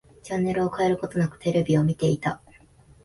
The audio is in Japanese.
チャンネルを変えることなく、テレビを見ていた。